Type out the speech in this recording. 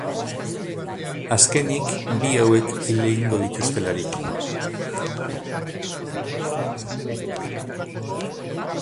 Azkenik bi hauek hil egingo dituztelarik.